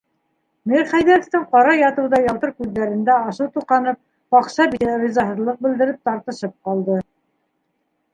Мирхәйҙәровтың ҡара ятыуҙай ялтыр күҙҙәрендә асыу тоҡанып, ҡаҡса бите ризаһыҙлыҡ белдереп тартышып ҡалды.